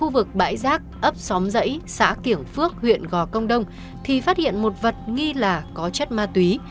khu vực bãi rác ấp xóm dãy xã kiểng phước huyện gò công đông thì phát hiện một vật nghi là có chất ma túy